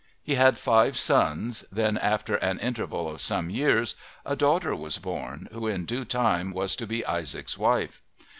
He had five sons; then, after an interval of some years, a daughter was born, who in due time was to be Isaac's wife.